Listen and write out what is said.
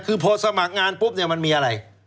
คือพอสมัครงานปุ๊บเนี่ยมันมีอะไร